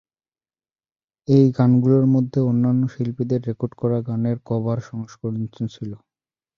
এই গানগুলোর মধ্যে অন্যান্য শিল্পীদের রেকর্ড করা গানের কভার সংস্করণও ছিল।